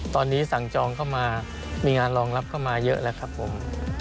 ตอนนี้สั่งจองเข้ามามีงานรองรับเข้ามาเยอะแล้วครับผม